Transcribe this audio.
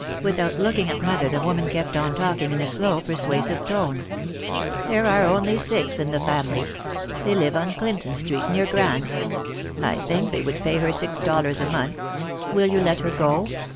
Without looking at mother the woman kept on talking in a slow persuasive tone. "There are only six in the family. They live on Clinton Street near Grand. I think they would pay her six dollars a month. Will you let her go?"